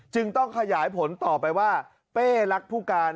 ต้องขยายผลต่อไปว่าเป้รักผู้การ